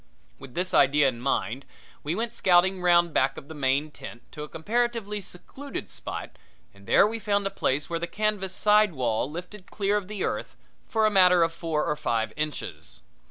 With this idea in mind we went scouting round back of the main tent to a comparatively secluded spot, and there we found a place where the canvas side wall lifted clear of the earth for a matter of four or five inches.